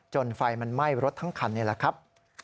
ไฟมันไหม้รถทั้งคันนี่แหละครับ